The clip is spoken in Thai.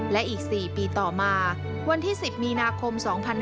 และอีก๔ปีต่อมาวันที่๑๐มีนาคม๒๕๖๒